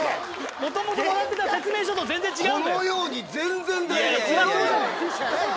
もともともらってた説明書と全然違うんだよ。